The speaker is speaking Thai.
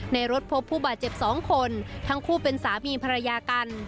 ในรถพบผู้บาดเจ็บ๒คนทั้งคู่เป็นสามีภรรยากัน